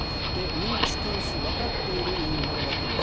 認知件数わかっているものだけです。